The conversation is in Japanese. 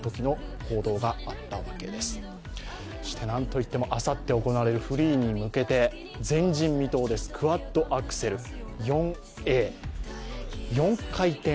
なんといってもあさって行われるフリーに向けて前人未到、クワッドアクセル。